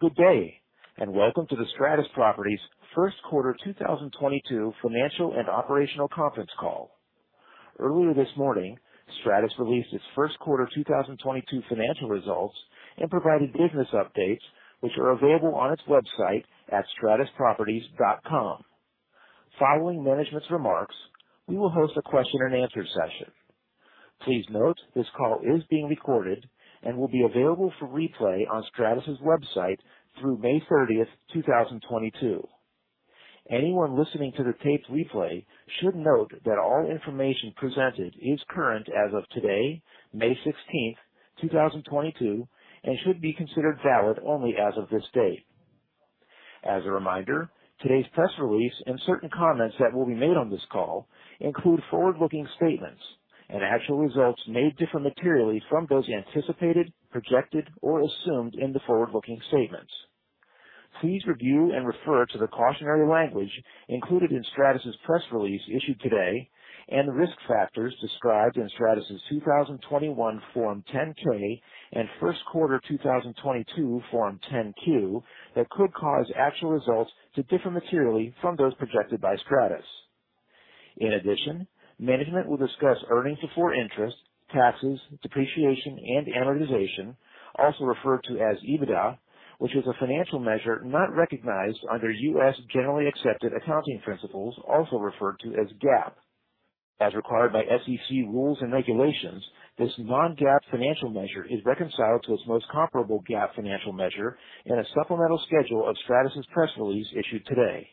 Good day, and welcome to the Stratus Properties first quarter 2022 financial and operational conference call. Earlier this morning, Stratus released its first quarter 2022 financial results and provided business updates which are available on its website at stratusproperties.com. Following management's remarks, we will host a question and answer session. Please note this call is being recorded and will be available for replay on Stratus's website through May 30, 2022. Anyone listening to the taped replay should note that all information presented is current as of today, May 16, 2022, and should be considered valid only as of this date. As a reminder, today's press release and certain comments that will be made on this call include forward-looking statements. Actual results may differ materially from those anticipated, projected, or assumed in the forward-looking statements. Please review and refer to the cautionary language included in Stratus's press release issued today, and the risk factors described in Stratus's 2021 Form 10-K and first quarter 2022 Form 10-Q that could cause actual results to differ materially from those projected by Stratus. In addition, management will discuss earnings before interest, taxes, depreciation, and amortization, also referred to as EBITDA, which is a financial measure not recognized under U.S. generally accepted accounting principles, also referred to as GAAP. As required by SEC rules and regulations, this non-GAAP financial measure is reconciled to its most comparable GAAP financial measure in a supplemental schedule of Stratus's press release issued today.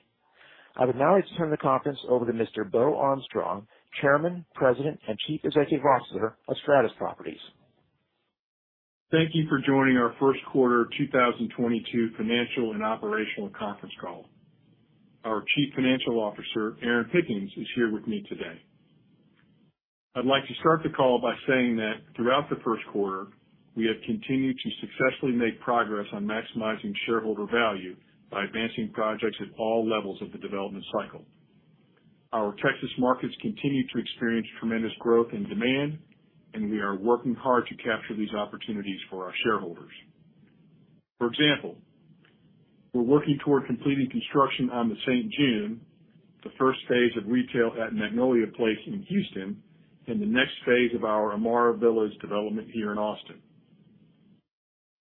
I would now like to turn the conference over to Mr. Beau Armstrong, Chairman, President, and Chief Executive Officer of Stratus Properties. Thank you for joining our first quarter 2022 financial and operational conference call. Our Chief Financial Officer, Erin Pickens, is here with me today. I'd like to start the call by saying that throughout the first quarter we have continued to successfully make progress on maximizing shareholder value by advancing projects at all levels of the development cycle. Our Texas markets continue to experience tremendous growth and demand, and we are working hard to capture these opportunities for our shareholders. For example, we're working toward completing construction on The Saint June, the first phase of retail at Magnolia Place in Houston, and the next phase of our Amarra Villas development here in Austin.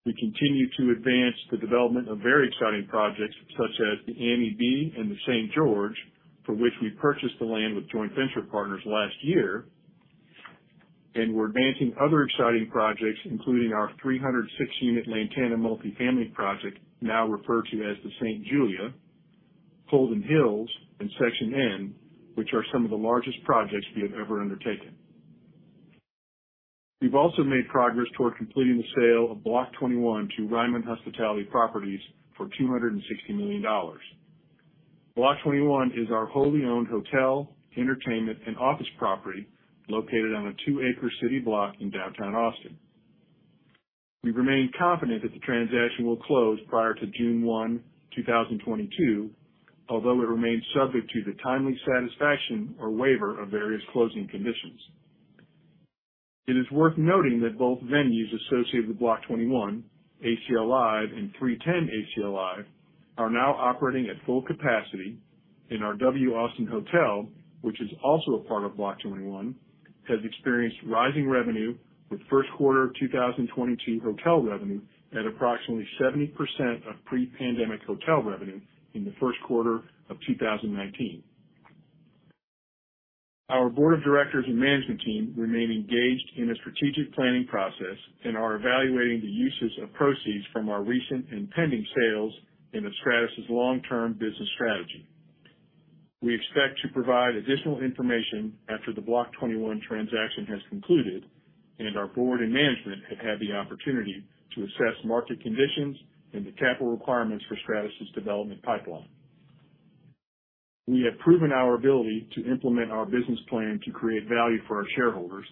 We continue to advance the development of very exciting projects such as the Annie B and The Saint George, for which we purchased the land with joint venture partners last year. We're advancing other exciting projects, including our 360-unit Lantana multifamily project, now referred to as the Saint Julia, Holden Hills, and Section N, which are some of the largest projects we have ever undertaken. We've also made progress toward completing the sale of Block 21 to Ryman Hospitality Properties for $260 million. Block 21 is our wholly owned hotel, entertainment, and office property located on a two-acre city block in downtown Austin. We remain confident that the transaction will close prior to June 1, 2022, although it remains subject to the timely satisfaction or waiver of various closing conditions. It is worth noting that both venues associated with Block 21, ACL Live and 3TEN ACL Live, are now operating at full capacity. Our W Austin hotel, which is also a part of Block 21, has experienced rising revenue with first quarter 2022 hotel revenue at approximately 70% of pre-pandemic hotel revenue in the first quarter of 2019. Our board of directors and management team remain engaged in a strategic planning process and are evaluating the uses of proceeds from our recent and pending sales in the Stratus's long-term business strategy. We expect to provide additional information after the Block 21 transaction has concluded and our board and management have had the opportunity to assess market conditions and the capital requirements for Stratus's development pipeline. We have proven our ability to implement our business plan to create value for our shareholders.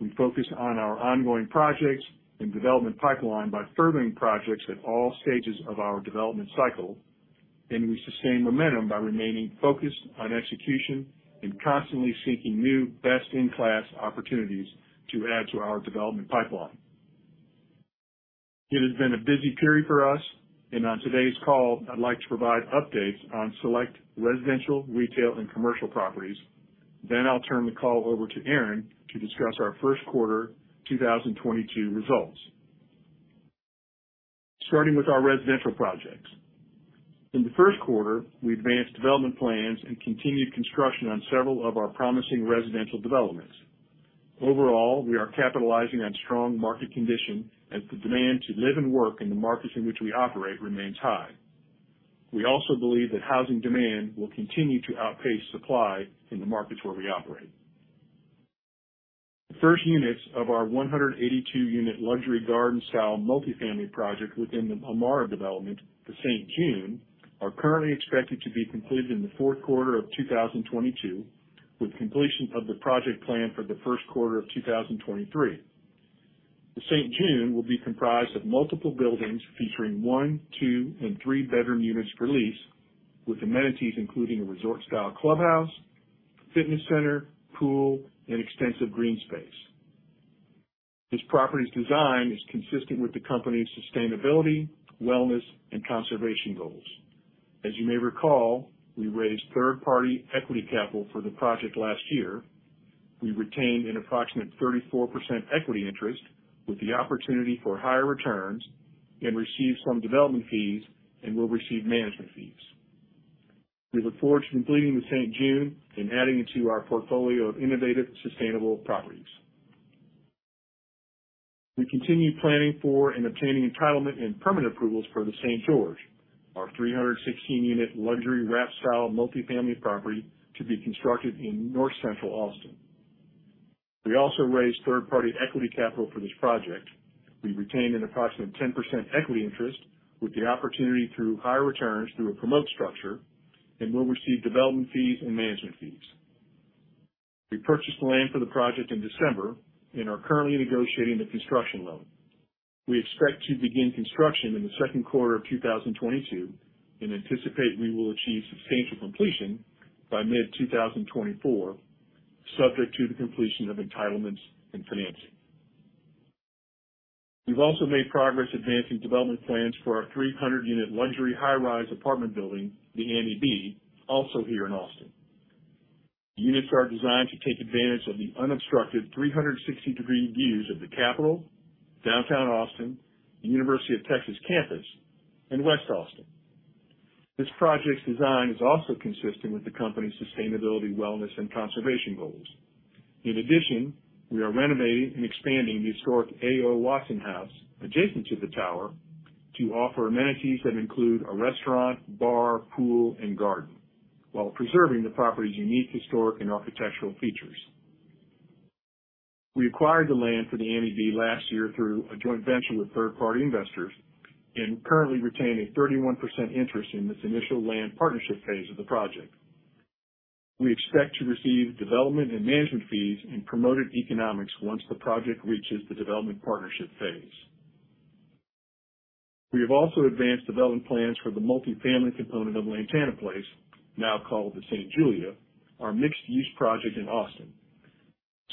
We focus on our ongoing projects and development pipeline by furthering projects at all stages of our development cycle, and we sustain momentum by remaining focused on execution and constantly seeking new best-in-class opportunities to add to our development pipeline. It has been a busy period for us, and on today's call, I'd like to provide updates on select residential, retail, and commercial properties. I'll turn the call over to Erin to discuss our first quarter 2022 results. Starting with our residential projects. In the first quarter, we advanced development plans and continued construction on several of our promising residential developments. Overall, we are capitalizing on strong market conditions as the demand to live and work in the markets in which we operate remains high. We also believe that housing demand will continue to outpace supply in the markets where we operate. The first units of our 182-unit luxury garden-style multifamily project within the Amarra development, the Saint June, are currently expected to be completed in the fourth quarter of 2022, with completion of the project planned for the first quarter of 2023. The Saint June will be comprised of multiple buildings featuring one, two, and three-bedroom units for lease, with amenities including a resort-style clubhouse, fitness center, pool, and extensive green space. This property's design is consistent with the company's sustainability, wellness, and conservation goals. As you may recall, we raised third-party equity capital for the project last year. We retained an approximate 34% equity interest with the opportunity for higher returns and received some development fees and will receive management fees. We look forward to completing The Saint June and adding it to our portfolio of innovative, sustainable properties. We continue planning for and obtaining entitlement and permit approvals for The Saint George, our 316-unit luxury raft-style multifamily property to be constructed in north-central Austin. We also raised third-party equity capital for this project. We retained an approximate 10% equity interest with the opportunity through higher returns through a promote structure and will receive development fees and management fees. We purchased the land for the project in December and are currently negotiating the construction loan. We expect to begin construction in the second quarter of 2022 and anticipate we will achieve substantial completion by mid-2024, subject to the completion of entitlements and financing. We've also made progress advancing development plans for our 300-unit luxury high-rise apartment building, The Annie B, also here in Austin. The units are designed to take advantage of the unobstructed 360-degree views of the Capitol, downtown Austin, the University of Texas campus, and West Austin. This project's design is also consistent with the company's sustainability, wellness, and conservation goals. In addition, we are renovating and expanding the historic A.O. Watson House adjacent to the tower to offer amenities that include a restaurant, bar, pool, and garden, while preserving the property's unique historic and architectural features. We acquired the land for The Annie B last year through a joint venture with third-party investors and currently retain a 31% interest in this initial land partnership phase of the project. We expect to receive development and management fees and promoted economics once the project reaches the development partnership phase. We have also advanced development plans for the multifamily component of Lantana Place, now called The Saint Julia, our mixed-use project in Austin.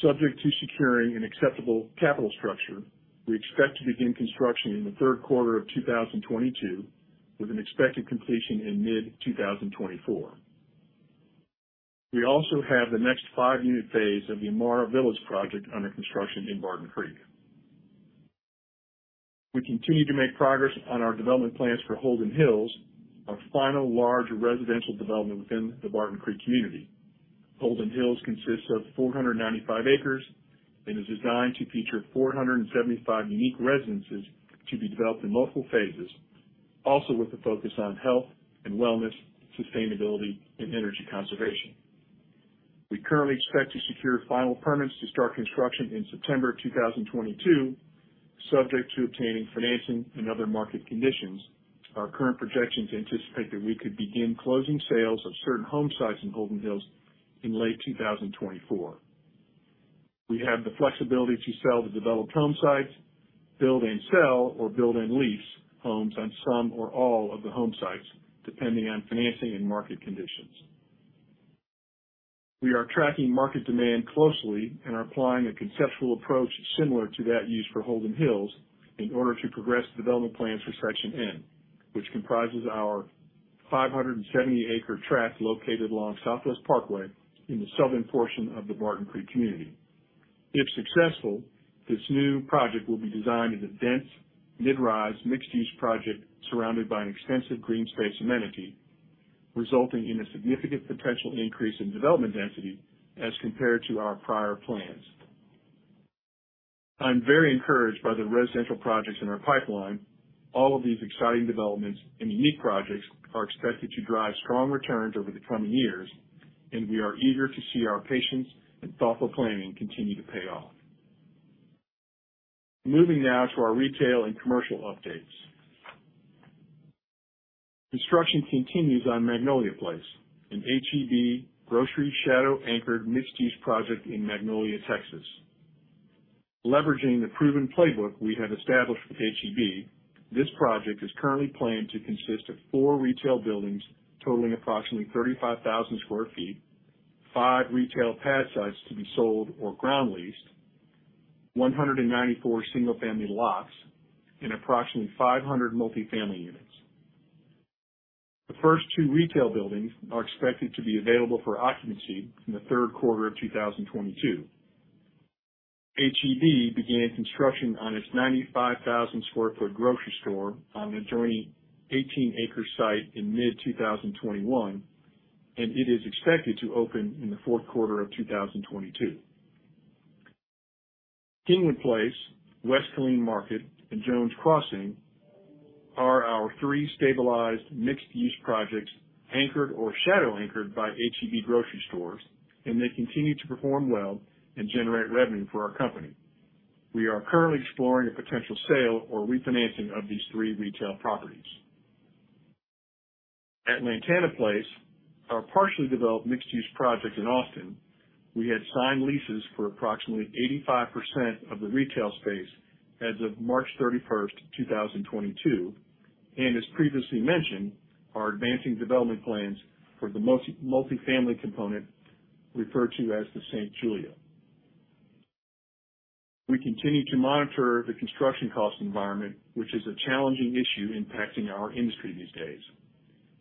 Subject to securing an acceptable capital structure, we expect to begin construction in the third quarter of 2022 with an expected completion in mid 2024. We also have the next five-unit phase of the Amarra Villas project under construction in Barton Creek. We continue to make progress on our development plans for Holden Hills, our final large residential development within the Barton Creek community. Holden Hills consists of 495 acres and is designed to feature 475 unique residences to be developed in multiple phases, also with a focus on health and wellness, sustainability, and energy conservation. We currently expect to secure final permits to start construction in September 2022, subject to obtaining financing and other market conditions. Our current projections anticipate that we could begin closing sales of certain home sites in Holden Hills in late 2024. We have the flexibility to sell the developed home sites, build and sell, or build and lease homes on some or all of the home sites, depending on financing and market conditions. We are tracking market demand closely and are applying a conceptual approach similar to that used for Holden Hills in order to progress the development plans for Section N, which comprises our 570-acre tract located along Southwest Parkway in the southern portion of the Barton Creek community. If successful, this new project will be designed as a dense mid-rise mixed-use project surrounded by an extensive green space amenity, resulting in a significant potential increase in development density as compared to our prior plans. I'm very encouraged by the residential projects in our pipeline. All of these exciting developments and unique projects are expected to drive strong returns over the coming years, and we are eager to see our patience and thoughtful planning continue to pay off. Moving now to our retail and commercial updates. Construction continues on Magnolia Place, an H-E-B grocery shadow anchored mixed-use project in Magnolia, Texas. Leveraging the proven playbook we have established with H-E-B, this project is currently planned to consist of four retail buildings totaling approximately 35,000 sq ft, five retail pad sites to be sold or ground leased, 194 single-family lots, and approximately 500 multifamily units. The first two retail buildings are expected to be available for occupancy in the third quarter of 2022. H-E-B began construction on its 95,000 sq ft grocery store on an adjoining 18-acre site in mid 2021, and it is expected to open in the fourth quarter of 2022. Kingwood Place, West Killeen Market, and Jones Crossing are our three stabilized mixed-use projects anchored or shadow anchored by H-E-B grocery stores, and they continue to perform well and generate revenue for our company. We are currently exploring a potential sale or refinancing of these three retail properties. At Lantana Place, our partially developed mixed-use project in Austin. We had signed leases for approximately 85% of the retail space as of March 31, 2022, and as previously mentioned, are advancing development plans for the multifamily component referred to as Saint Julia. We continue to monitor the construction cost environment, which is a challenging issue impacting our industry these days.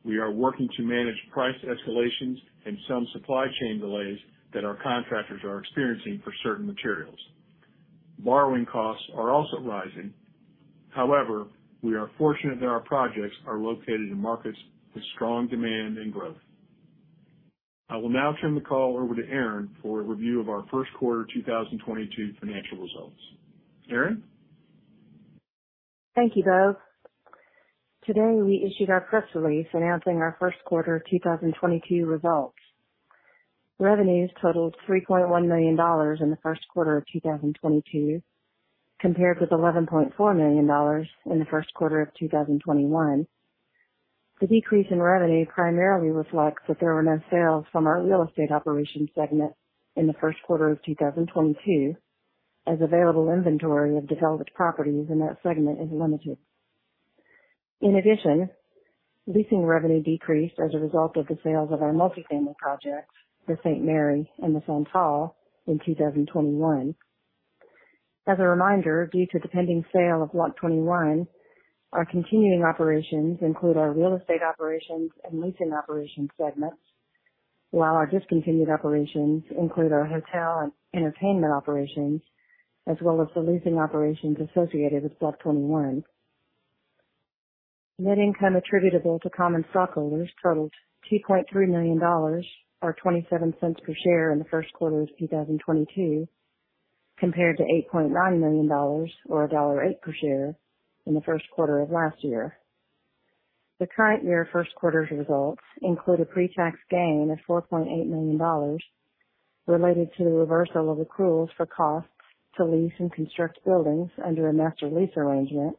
We are working to manage price escalations and some supply chain delays that our contractors are experiencing for certain materials. Borrowing costs are also rising. However, we are fortunate that our projects are located in markets with strong demand and growth. I will now turn the call over to Erin for a review of our first quarter 2022 financial results. Erin? Thank you, Beau. Today, we issued our press release announcing our first quarter 2022 results. Revenues totaled $3.1 million in the first quarter of 2022, compared with $11.4 million in the first quarter of 2021. The decrease in revenue primarily reflects that there were no sales from our real estate operations segment in the first quarter of 2022, as available inventory of developed properties in that segment is limited. In addition, leasing revenue decreased as a result of the sales of our multifamily projects, The St. Mary and The St. Paul in 2021. As a reminder, due to the pending sale of Block 21, our continuing operations include our real estate operations and leasing operations segments. While our discontinued operations include our hotel and entertainment operations, as well as the leasing operations associated with Block 21. Net income attributable to common stockholders totaled $2.3 million or 27 cents per share in the first quarter of 2022, compared to $8.9 million or $1.08 per share in the first quarter of last year. The current year first quarter's results include a pre-tax gain of $4.8 million related to the reversal of accruals for costs to lease and construct buildings under a master lease arrangement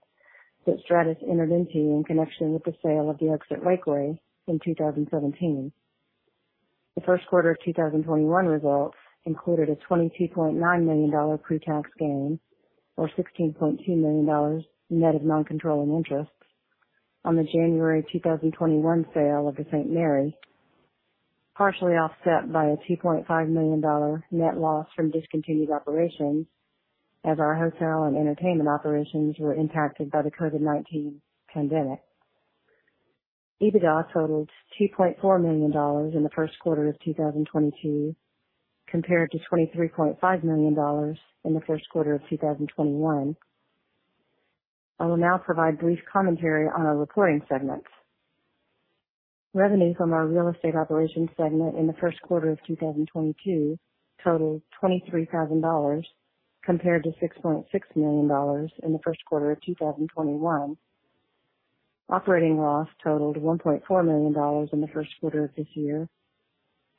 that Stratus entered into in connection with the sale of The Oaks at Lakeway in 2017. The first quarter of 2021 results included a $22.9 million pre-tax gain or $16.2 million net of non-controlling interests on the January 2021 sale of The St. Mary, partially offset by a $2.5 million net loss from discontinued operations as our hotel and entertainment operations were impacted by the COVID-19 pandemic. EBITDA totaled $2.4 million in the first quarter of 2022, compared to $23.5 million in the first quarter of 2021. I will now provide brief commentary on our reporting segments. Revenue from our real estate operations segment in the first quarter of 2022 totaled $23,000 compared to $6.6 million in the first quarter of 2021. Operating loss totaled $1.4 million in the first quarter of this year,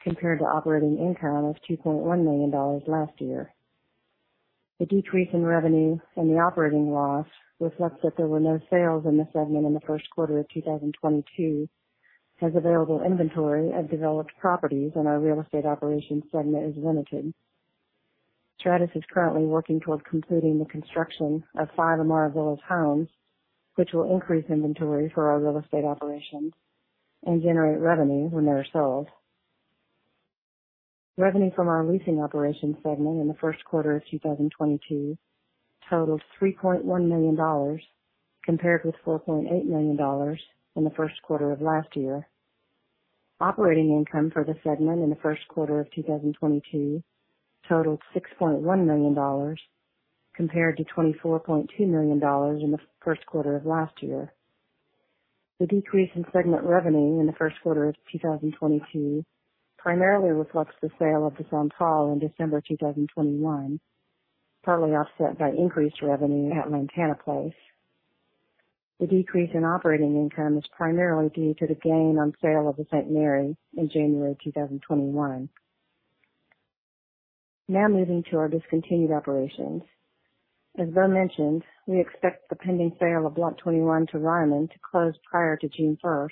compared to operating income of $2.1 million last year. The decrease in revenue and the operating loss reflects that there were no sales in the segment in the first quarter of 2022, as available inventory of developed properties in our real estate operations segment is limited. Stratus is currently working towards completing the construction of five Amarra Villas homes, which will increase inventory for our real estate operations and generate revenue when they're sold. Revenue from our leasing operations segment in the first quarter of 2022 totaled $3.1 million, compared with $4.8 million in the first quarter of last year. Operating income for the segment in the first quarter of 2022 totaled $6.1 million compared to $24.2 million in the first quarter of last year. The decrease in segment revenue in the first quarter of 2022 primarily reflects the sale of the St. Paul in December 2021, partly offset by increased revenue at Lantana Place. The decrease in operating income is primarily due to the gain on sale of the St. Mary in January 2021. Now moving to our discontinued operations. As Doug mentioned, we expect the pending sale of Block 21 to Ryman to close prior to June 1,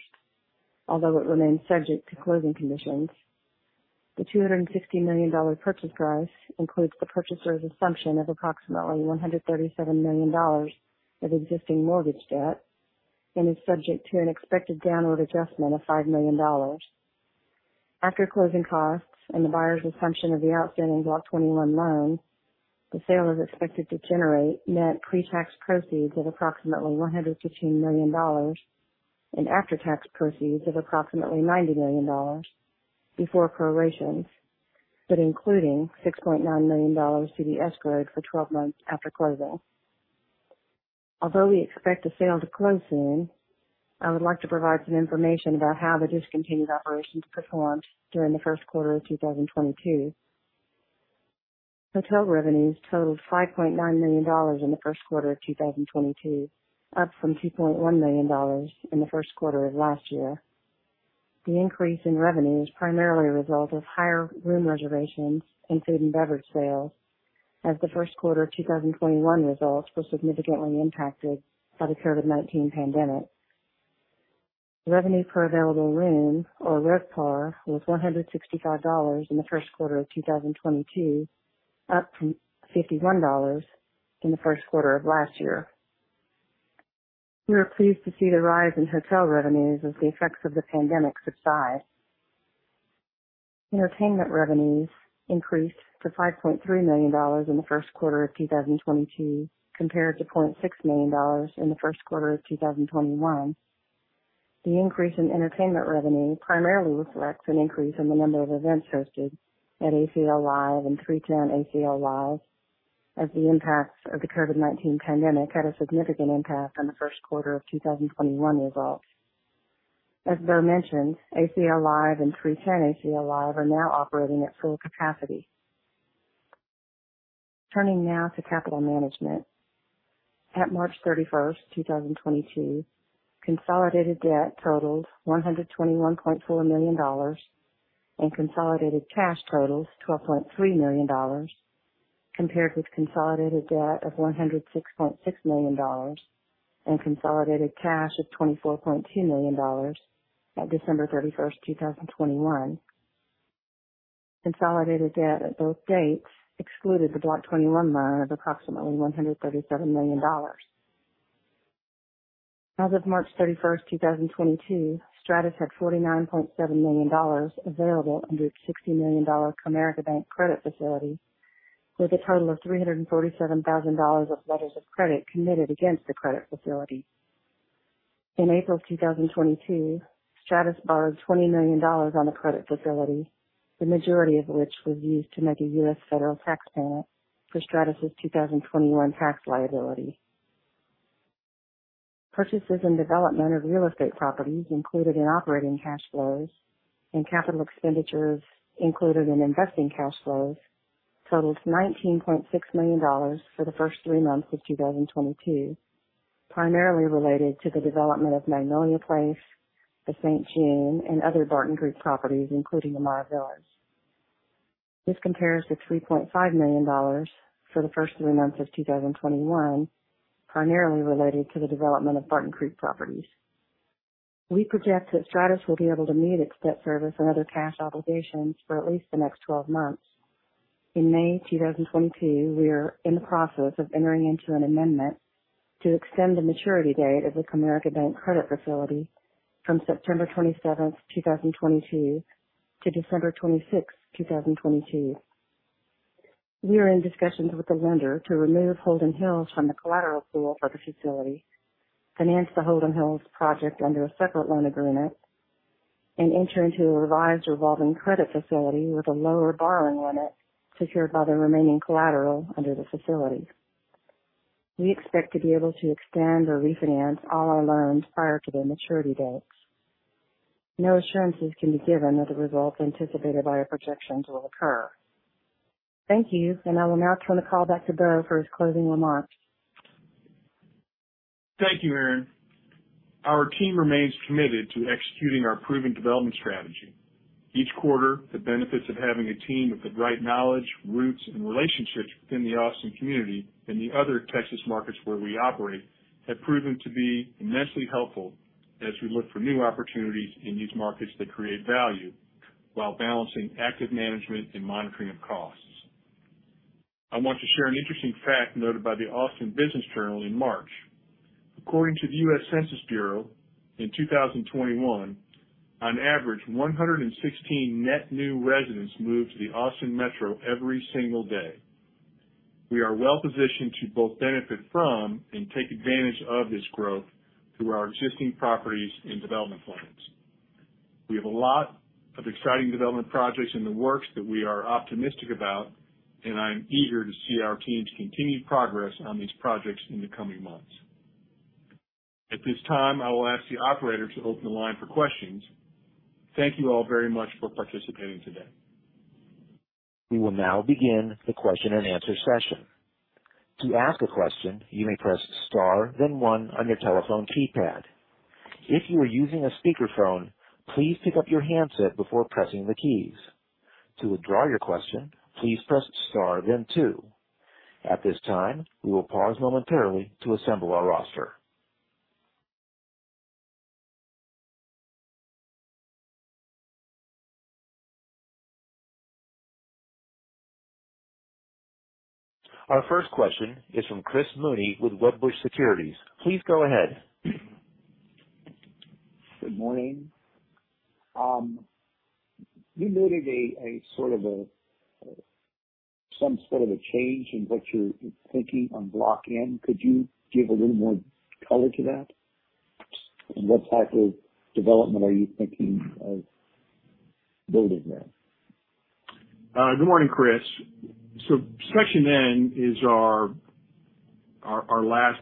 although it remains subject to closing conditions. The $250 million purchase price includes the purchaser's assumption of approximately $137 million of existing mortgage debt and is subject to an expected downward adjustment of $5 million. After closing costs and the buyer's assumption of the outstanding Block 21 loan, the sale is expected to generate net pre-tax proceeds of approximately $115 million and after-tax proceeds of approximately $90 million before prorations, but including $6.9 million to be escrowed for 12 months after closing. Although we expect the sale to close soon, I would like to provide some information about how the discontinued operations performed during the first quarter of 2022. Hotel revenues totaled $5.9 million in the first quarter of 2022, up from $2.1 million in the first quarter of last year. The increase in revenue is primarily a result of higher room reservations and food and beverage sales as the first quarter of 2021 results were significantly impacted by the COVID-19 pandemic. Revenue per available room, or RevPAR, was $165 in the first quarter of 2022, up from $51 in the first quarter of last year. We are pleased to see the rise in hotel revenues as the effects of the pandemic subside. Entertainment revenues increased to $5.3 million in the first quarter of 2022 compared to $0.6 million in the first quarter of 2021. The increase in entertainment revenue primarily reflects an increase in the number of events hosted at ACL Live and 3TEN ACL Live as the impacts of the COVID-19 pandemic had a significant impact on the first quarter of 2021 results. As Beau mentioned, ACL Live and 3TEN ACL Live are now operating at full capacity. Turning now to capital management. At March 31, 2022, consolidated debt totaled $121.4 million and consolidated cash totals $12.3 million, compared with consolidated debt of $106.6 million and consolidated cash of $24.2 million at December 31, 2021. Consolidated debt at both dates excluded the Block 21 loan of approximately $137 million. As of March 31, 2022, Stratus had $49.7 million available under its $60 million Comerica Bank credit facility, with a total of $347,000 of letters of credit committed against the credit facility. In April 2022, Stratus borrowed $20 million on the credit facility, the majority of which was used to make a U.S. federal tax payment for Stratus' 2021 tax liability. Purchases and development of real estate properties included in operating cash flows and capital expenditures included in investing cash flows totals $19.6 million for the first three months of 2022, primarily related to the development of Magnolia Place, The Saint June, and other Barton Group properties, including the Amarra Villas. This compares to $3.5 million for the first three months of 2021, primarily related to the development of Barton Creek properties. We project that Stratus will be able to meet its debt service and other cash obligations for at least the next 12 months. In May 2022, we are in the process of entering into an amendment to extend the maturity date of the Comerica Bank credit facility from September 27, 2022 to December 26, 2022. We are in discussions with the lender to remove Holden Hills from the collateral pool for the facility, finance the Holden Hills project under a separate loan agreement, and enter into a revised revolving credit facility with a lower borrowing limit secured by the remaining collateral under the facility. We expect to be able to extend or refinance all our loans prior to their maturity dates. No assurances can be given that the results anticipated by our projections will occur. Thank you. I will now turn the call back to Beau for his closing remarks. Thank you, Erin. Our team remains committed to executing our proven development strategy. Each quarter, the benefits of having a team with the right knowledge, roots, and relationships within the Austin community and the other Texas markets where we operate have proven to be immensely helpful as we look for new opportunities in these markets that create value while balancing active management and monitoring of costs. I want to share an interesting fact noted by the Austin Business Journal in March. According to the U.S. Census Bureau, in 2021, on average, 116 net new residents moved to the Austin Metro every single day. We are well positioned to both benefit from and take advantage of this growth through our existing properties and development plans. We have a lot of exciting development projects in the works that we are optimistic about, and I am eager to see our team's continued progress on these projects in the coming months. At this time, I will ask the operator to open the line for questions. Thank you all very much for participating today. We will now begin the question and answer session. To ask a question, you may press star then one on your telephone keypad. If you are using a speakerphone, please pick up your handset before pressing the keys. To withdraw your question, please press star then two. At this time, we will pause momentarily to assemble our roster. Our first question is from Chris Mooney with Wedbush Securities. Please go ahead. Good morning. You noted some sort of a change in what you're thinking on Section N. Could you give a little more color to that? What type of development are you thinking of building there? Good morning, Chris. Section N is our last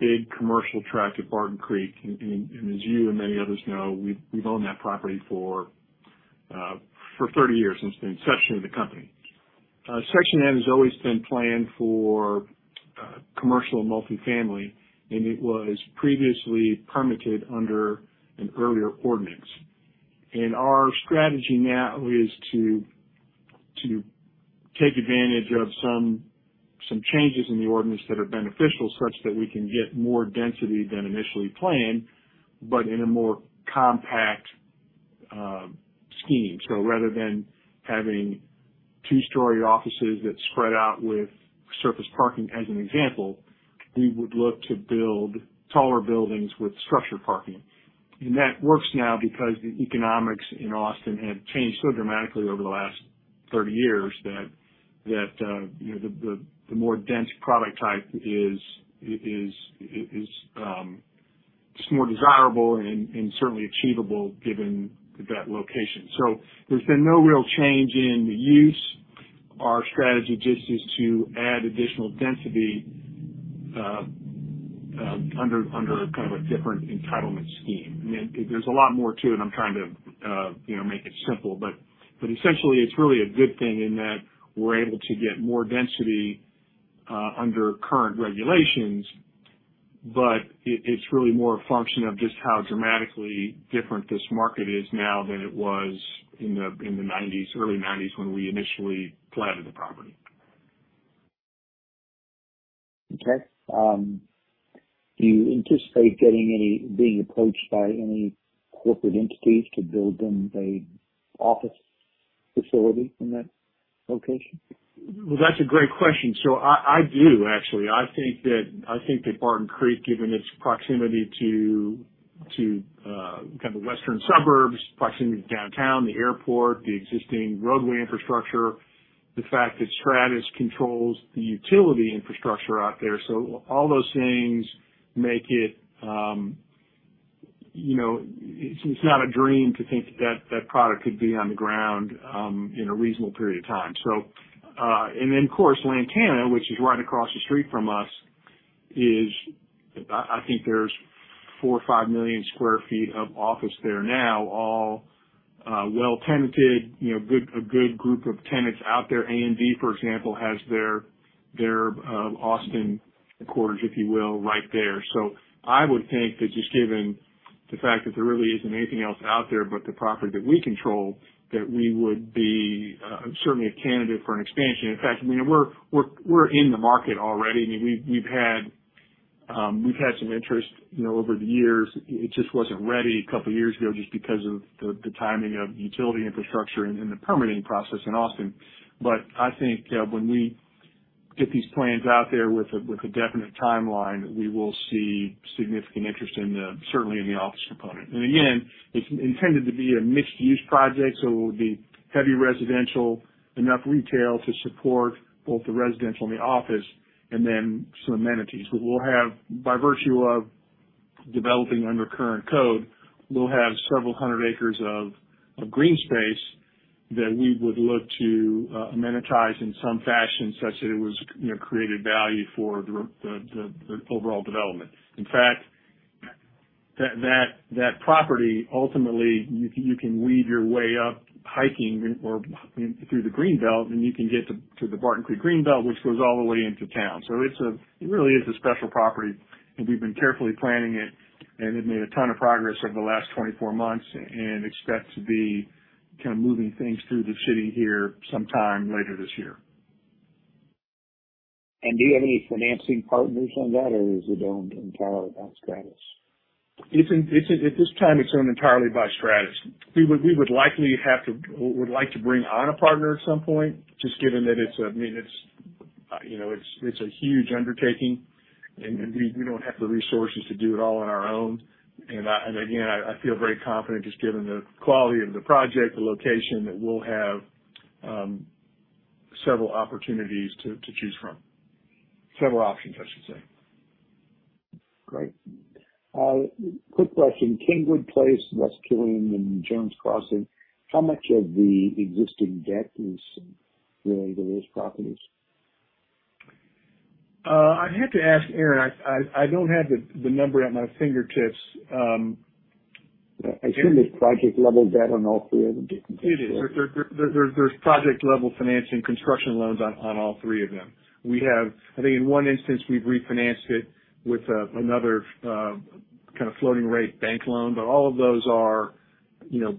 big commercial tract at Barton Creek. As you and many others know, we've owned that property for 30 years, since the inception of the company. Section N has always been planned for commercial and multifamily, and it was previously permitted under an earlier ordinance. Our strategy now is to take advantage of some changes in the ordinance that are beneficial, such that we can get more density than initially planned, but in a more compact scheme. Rather than having two-story offices that spread out with surface parking, as an example, we would look to build taller buildings with structured parking. That works now because the economics in Austin have changed so dramatically over the last 30 years that you know, the more dense product type is just more desirable and certainly achievable given that location. There's been no real change in the use. Our strategy just is to add additional density under kind of a different entitlement scheme. I mean, there's a lot more to it and I'm trying to you know, make it simple. Essentially, it's really a good thing in that we're able to get more density under current regulations. It's really more a function of just how dramatically different this market is now than it was in the 1990s, early 1990s when we initially planned the property. Do you anticipate being approached by any corporate entities to build them an office facility in that location? Well, that's a great question. I do actually. I think that Barton Creek, given its proximity to kind of western suburbs, proximity to downtown, the airport, the existing roadway infrastructure, the fact that Stratus controls the utility infrastructure out there. All those things make it. It's not a dream to think that that product could be on the ground in a reasonable period of time. Of course, Lantana, which is right across the street from us, is. I think there's four or five million sq ft of office there now, all well tenanted, you know, a good group of tenants out there. AMD, for example, has their Austin headquarters, if you will, right there. I would think that just given the fact that there really isn't anything else out there but the property that we control, that we would be certainly a candidate for an expansion. In fact, I mean, we're in the market already. I mean, we've had some interest, you know, over the years. It just wasn't ready a couple years ago just because of the timing of utility infrastructure and the permitting process in Austin. I think when we get these plans out there with a definite timeline, we will see significant interest in the certainly in the office component. Again, it's intended to be a mixed-use project, so it will be heavy residential, enough retail to support both the residential and the office, and then some amenities. We'll have By virtue of developing under current code, we'll have several hundred acres of green space that we would look to amenitize in some fashion such that it was, you know, created value for the overall development. In fact, that property, ultimately, you can weave your way up hiking or through the greenbelt, and you can get to the Barton Creek Greenbelt, which goes all the way into town. It's a special property, and we've been carefully planning it, and have made a ton of progress over the last 24 months and expect to be kind of moving things through the city here sometime later this year. Do you have any financing partners on that, or is it owned entirely by Stratus? At this time, it's owned entirely by Stratus. We would like to bring on a partner at some point, just given that it's I mean, it's you know, it's a huge undertaking, and we don't have the resources to do it all on our own. Again, I feel very confident just given the quality of the project, the location, that we'll have several opportunities to choose from. Several options, I should say. Great. Quick question. Kingwood Place, West Killeen Market, and Jones Crossing, how much of the existing debt is related to those properties? I'd have to ask Erin. I don't have the number at my fingertips. I assume there's project-level debt on all three of them. It is. There's project-level financing construction loans on all three of them. I think in one instance, we've refinanced it with another kind of floating rate bank loan. All of those are, you know,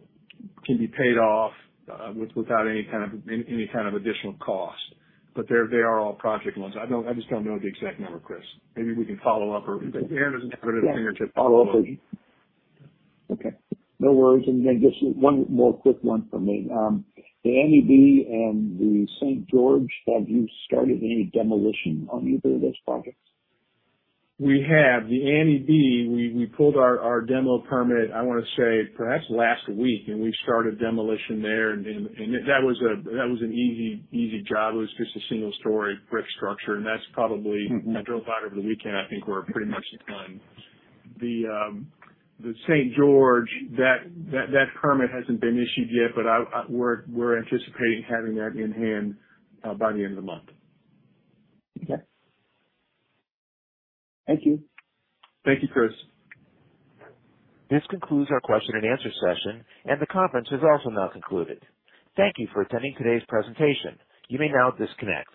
can be paid off with or without any kind of additional cost. They are all project loans. I just don't know the exact number, Chris. Maybe we can follow up or if Erin doesn't have it at his fingertips. Yeah. Follow up later. Okay, no worries. Just one more quick one from me. The Annie B and The Saint George, have you started any demolition on either of those projects? We have. The Annie B, we pulled our demo permit. I wanna say perhaps last week, and we started demolition there. That was an easy job. It was just a single-story brick structure, and that's probably- Mm-hmm. I drove by it over the weekend. I think we're pretty much done. The Saint George, that permit hasn't been issued yet, but we're anticipating having that in hand by the end of the month. Okay. Thank you. Thank you, Chris. This concludes our question and answer session, and the conference is also now concluded. Thank you for attending today's presentation. You may now disconnect.